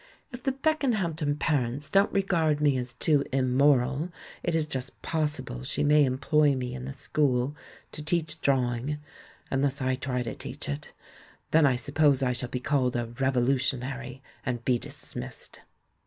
If the Beckenhampton parents don't regard me as too immoral, it is just possible she may employ me in the school to 'teach drawing' — unless I try to teach it. Then I suppose I shall be called a 'rev olutionary' and be dismissed."